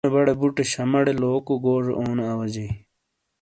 چُونے بڑے بُٹے شامہ ڑے لوکو گوزے اونو اواجئی۔